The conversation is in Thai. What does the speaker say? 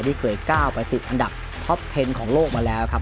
ที่เคยก้าวไปติดอันดับท็อปเทนของโลกมาแล้วครับ